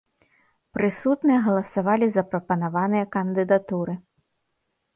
Прысутныя галасавалі за прапанаваныя кандыдатуры.